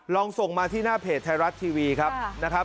ลองส่งมาที่หน้าเพจไทยรัฐทีวีครับนะครับ